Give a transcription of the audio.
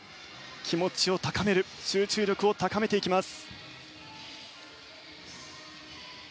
気持ちを高める集中力を高めていきます。